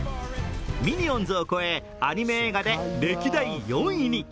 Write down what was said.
「ミニオンズ」を超え、アニメ映画で歴代４位に。